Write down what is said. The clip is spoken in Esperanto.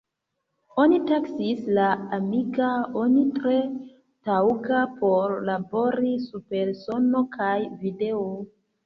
Oni taksis la "Amiga-on" tre taŭga por labori super sono kaj video.